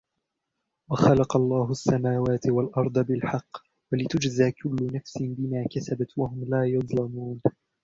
وخلق الله السماوات والأرض بالحق ولتجزى كل نفس بما كسبت وهم لا يظلمون